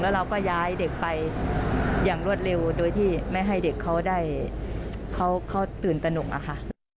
แล้วเราก็ย้ายเด็กไปอย่างรวดเร็วโดยที่ไม่ให้เด็กเขาได้เขาตื่นตนกอะค่ะ